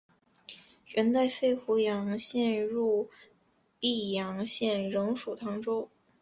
元代废湖阳县入泌阳县仍属唐州。